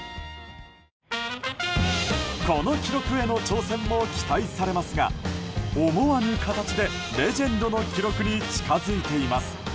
この記録への挑戦も期待されますが思わぬ形でレジェンドの記録に近づいています。